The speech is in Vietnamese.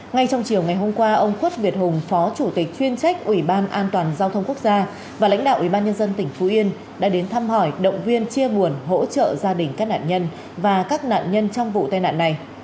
ngay trong chiều ngày hôm qua ông khuất việt hùng phó chủ tịch chuyên trách ủy ban an toàn giao thông quốc gia và lãnh đạo ủy ban nhân dân tỉnh phú yên đã đến thăm hỏi động viên chia buồn hỗ trợ gia đình các nạn nhân và các nạn nhân trong vụ tai nạn này